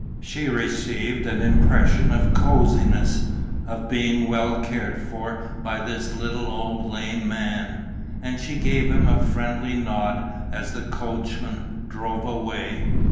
She received an impression of cosiness, of being well cared for by the little old lame man; and she gave him a friendly nod as the coachman drove away.